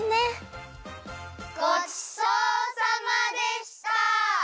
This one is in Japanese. ごちそうさまでした！